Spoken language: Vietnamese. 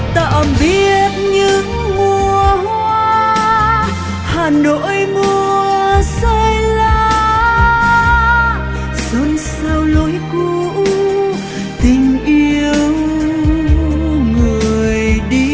tạm biệt những đời mùa rơi rơi